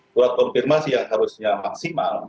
surat konfirmasi yang harusnya maksimal